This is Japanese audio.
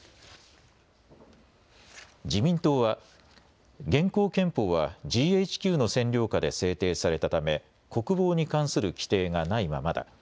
自民党は現行憲法はＧＨＱの占領下で制定されたため国防に関する規定がないままだ。